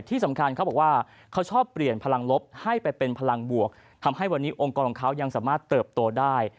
ที่สำคัญเขาบอกว่าเขาชอบเปลี่ยนพลังลบให้ไปเป็นพลังบวกทำให้วันนี้องค์กรของเขายังสามารถเติบโตได้